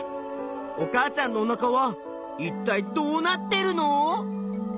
お母さんのおなかはいったいどうなってるの？